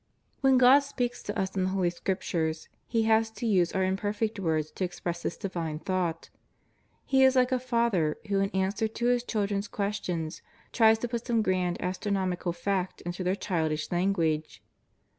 When God speaks to us in the Holy Scriptures He has to use our imperfect words to express His divine thought. He is like a father whq in answer to his children's questions tries to put some grand astronomical fact into their childish language.